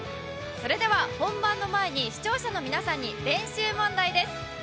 それでは本番の前に視聴者の皆さんに練習問題です。